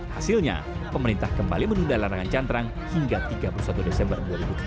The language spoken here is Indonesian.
hasilnya pemerintah kembali menunda larangan cantrang hingga tiga puluh satu desember dua ribu tujuh belas